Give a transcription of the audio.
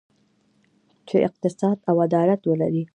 چې اقتصاد او عدالت ولري.